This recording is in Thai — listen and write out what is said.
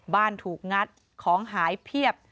ถูกงัดของหายเพียบ